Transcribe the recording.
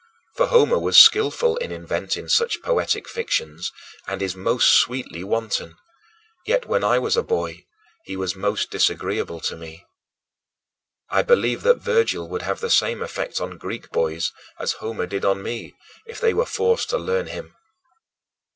For Homer was skillful in inventing such poetic fictions and is most sweetly wanton; yet when I was a boy, he was most disagreeable to me. I believe that Virgil would have the same effect on Greek boys as Homer did on me if they were forced to learn him.